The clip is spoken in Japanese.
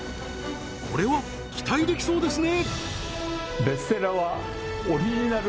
これは期待できそうですね